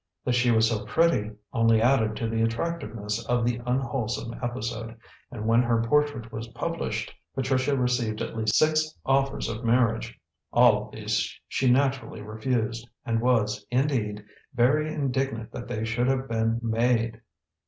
That she was so pretty only added to the attractiveness of the unwholesome episode, and when her portrait was published, Patricia received at least six offers of marriage. All of these she naturally refused, and was, indeed, very indignant that they should have been made.